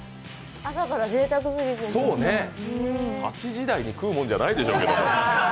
８時台に食うもんじゃないでしょうけど。